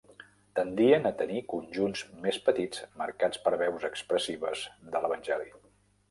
Tendien a tenir conjunts més petits marcats per veus expressives de l'Evangeli.